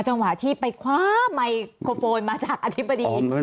อ่อจังหวะที่ไปคว้าไมค์มาจากอธิบดี